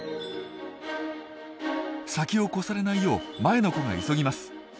先を越されないよう前の子が急ぎます。